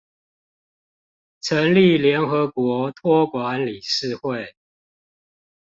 成立聯合國託管理事會